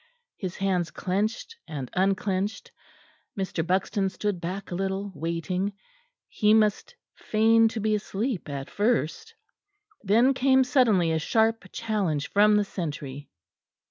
His hands clenched and unclenched. Mr. Buxton stood back a little, waiting; he must feign to be asleep at first. Then came suddenly a sharp challenge from the sentry.